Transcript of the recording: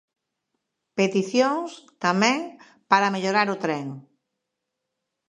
Peticións, tamén, para mellorar o tren.